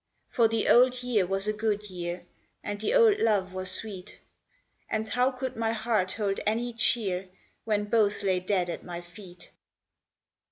For the old year was a good year, And the old love was sweet; And how could my heart hold any cheer When both lay dead at my feet.